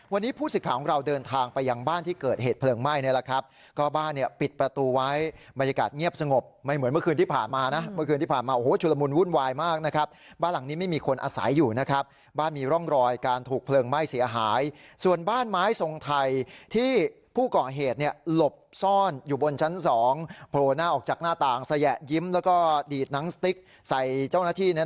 วันนี้ผู้สิทธิ์ของเราเดินทางไปยังบ้านที่เกิดเหตุเพลิงไหม้นี่แหละครับก็บ้านเนี่ยปิดประตูไว้บรรยากาศเงียบสงบไม่เหมือนเมื่อคืนที่ผ่านมานะเมื่อคืนที่ผ่านมาโอ้โหชุระมุนวุ่นวายมากนะครับบ้านหลังนี้ไม่มีคนอาศัยอยู่นะครับบ้านมีร่องรอยการถูกเพลิงไหม้เสียหายส่วนบ้านไม้ทรงไทยที่ผู้เกาะเห